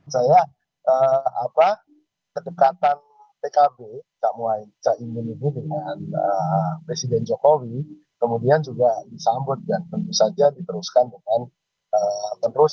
saya apa ketekatan pkb kamuai cahimunibu dengan presiden jokowi kemudian juga disambut dan tentu saja diteruskan dengan penerus